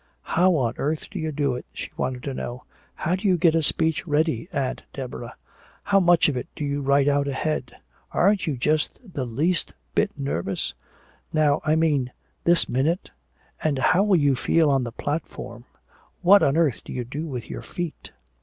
"How on earth do you do it?" she wanted to know. "How do you get a speech ready, Aunt Deborah how much of it do you write out ahead? Aren't you just the least bit nervous now, I mean this minute? And how will you feel on the platform? _What on earth do you do with your feet?